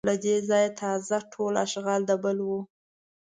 له دې ځایه تازه ټول اشغال د بل و